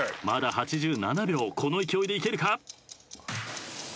まだ８７秒この勢いでいけるか。